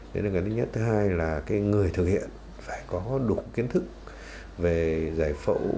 thế nên cái thứ nhất thứ hai là người thực hiện phải có đủ kiến thức về giải phẫu